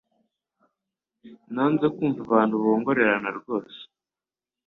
Nanze kumva abantu bongorerana rwose